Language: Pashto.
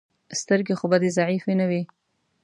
سترګې خو به دې ضعیفې نه وي.